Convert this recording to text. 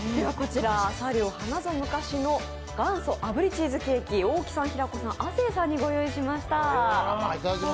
茶寮花ぞむかしの元祖炙りチーズケーキ、大木さん、平子さん、亜生さんにご用意しました。